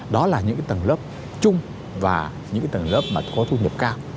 đó là những cái tầng lớp chung và những cái tầng lớp mà có thu nhập cao